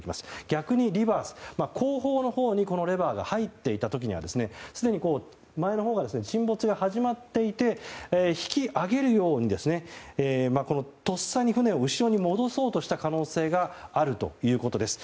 逆にリバース、後方のほうにこのレバーが入っていた時にはすでに前のほうで沈没が始まっていて引き上げるようにとっさに船を後ろに戻そうとした可能性があるということです。